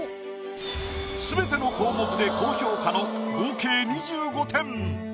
すべての項目で高評価の合計２５点。